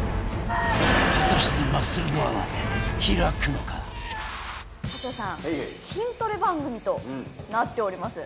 果たして春日さん筋トレ番組となっております